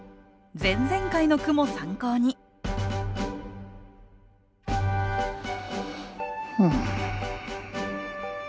前々回の句も参考にうん。